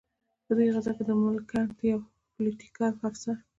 په دې غزا کې د ملکنډ یو پلوټیکل افسر.